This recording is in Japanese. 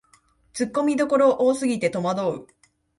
ツッコミどころ多すぎてとまどう